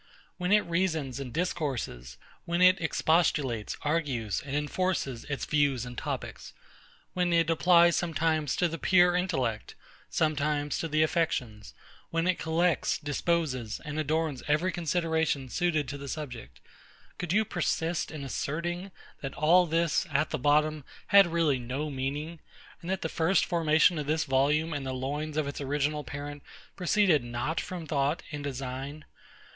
When it reasons and discourses; when it expostulates, argues, and enforces its views and topics; when it applies sometimes to the pure intellect, sometimes to the affections; when it collects, disposes, and adorns every consideration suited to the subject; could you persist in asserting, that all this, at the bottom, had really no meaning; and that the first formation of this volume in the loins of its original parent proceeded not from thought and design?